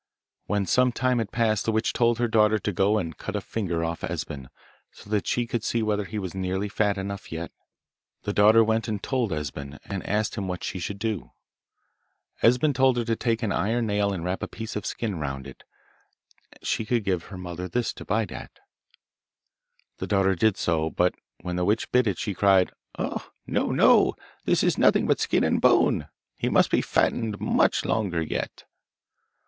When some time had passed the witch told her daughter to go and cut a finger off Esben, so that she could see whether he was nearly fat enough yet. The daughter went and told Esben, and asked him what she should do. Esben told her to take an iron nail and wrap a piece of skin round it: she could then give her mother this to bite at. The daughter did so, but when the witch bit it she cried, 'Uh! no, no! This is nothing but skin and bone; he must be fattened much longer yet.